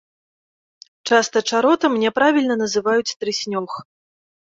Часта чаротам няправільна называюць трыснёг.